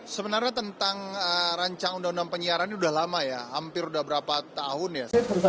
sebenarnya tentang rancang undang undang penyiaran ini sudah lama ya hampir udah berapa tahun ya